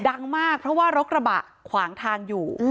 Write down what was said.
ดังมากเพราะว่ารถกระบะขวางทางอยู่